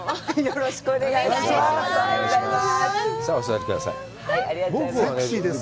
よろしくお願いします。